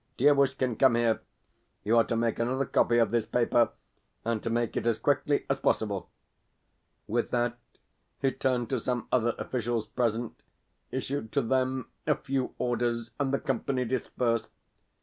Dievushkin, come here. You are to make another copy of this paper, and to make it as quickly as possible." With that he turned to some other officials present, issued to them a few orders, and the company dispersed.